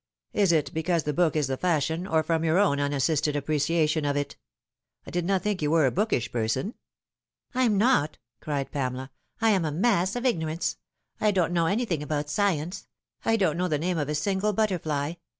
" Is it because the book is the fashion, or from your own unassisted appreciation of it ? I did not think you were a bookish person." " I'm not," cried Pamela. " I am a mass of ignorance. I don't know anything about science. I don't know the name of a single butterfly.